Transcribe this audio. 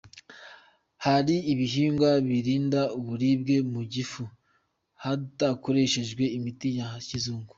Hari ibihingwa birinda uburibwe mu gifu hadakoreshejwe imiti ya kizungu